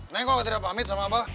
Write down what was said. neng kok gak pahamit sama abah